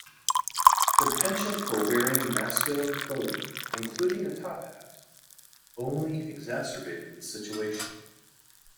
Her penchant for wearing masculine clothing, including a top hat, only exacerbated the situation.